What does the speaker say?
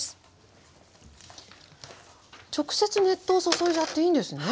直接熱湯を注いじゃっていいんですね？